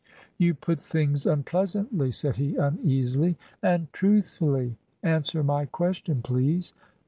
"You put things unpleasantly," said he, uneasily. "And truthfully. Answer my question, please."